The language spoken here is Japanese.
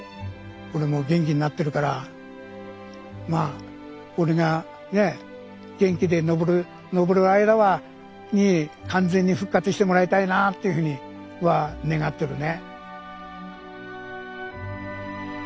俺も元気になってるからまあ俺がねえ元気で登る間に完全に復活してもらいたいなっていうふうには願ってるね。